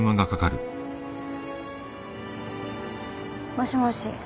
もしもし。